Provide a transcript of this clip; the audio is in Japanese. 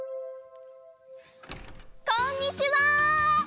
こんにちは。